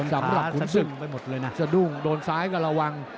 สำหรับขุนศึกสะดุ่งโดนซ้ายก็ระวัง